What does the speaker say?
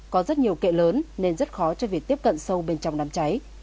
có rất nhiều kệ lớn nên rất khó cho việc tiếp cận sâu bên trong đám cháy